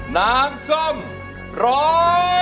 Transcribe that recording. น้ำส้มร้อง